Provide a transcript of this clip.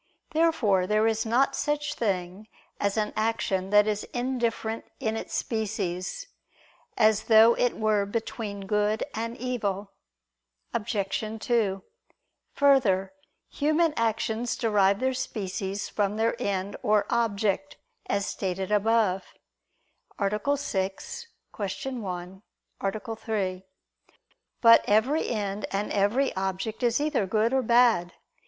Therefore there is not such thing as an action that is indifferent in its species, as though it were between good and evil. Obj. 2: Further, human actions derive their species from their end or object, as stated above (A. 6; Q. 1, A. 3). But every end and every object is either good or bad.